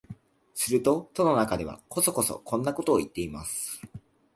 すると戸の中では、こそこそこんなことを言っています